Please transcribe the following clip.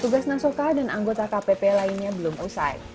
tugas nasoka dan anggota kpp lainnya belum usai